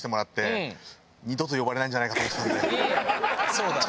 そうだね。